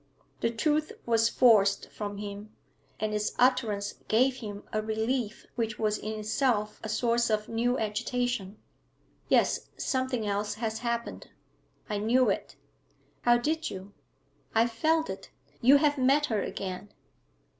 The truth was forced from him, and its utterance gave him a relief which was in itself a source of new agitation. 'Yes, something else has happened.' 'I knew it.' 'How did you ?' 'I felt it. You have met her again.'